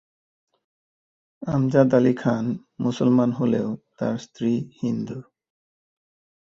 আমজাদ আলি খান মুসলমান হলেও তার স্ত্রী হিন্দু।